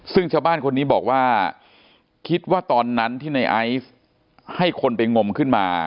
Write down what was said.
ซึ่งชาวบ้านคนนี้บอกว่าคิดว่าตอนนั้นที่ในไอซ์ให้คนไปงมขึ้นมา